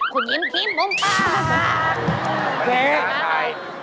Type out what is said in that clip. ขุนยิ้มที่มุมปาก